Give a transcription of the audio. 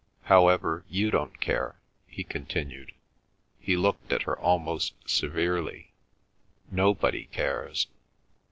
"However, you don't care," he continued. He looked at her almost severely. "Nobody cares.